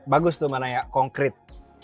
bagus tuh mbak naya konkret